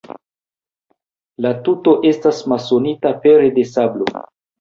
La tuto estas masonita pere de sablo.